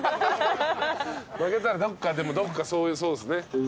負けたらどっかそういうそうですね。